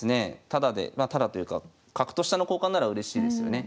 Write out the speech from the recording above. タダでまあタダというか角と飛車の交換ならうれしいですよね。